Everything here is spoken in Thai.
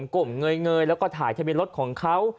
กลมเงยแล้วก็ถ่ายทะเบียนรถของเขา